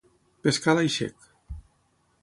Pescar a l'aixec.